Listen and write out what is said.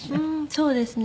そうですね。